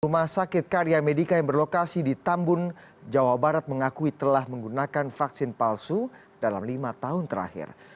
rumah sakit karya medica yang berlokasi di tambun jawa barat mengakui telah menggunakan vaksin palsu dalam lima tahun terakhir